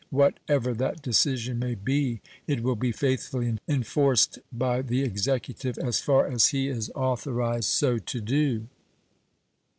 What ever that decision may be, it will be faithfully enforced by the Executive as far as he is authorized so to do.